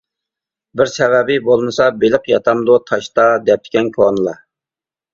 «بىر سەۋەبى بولمىسا بېلىق ياتامدۇ تاشتا» دەپتىكەن كونىلار.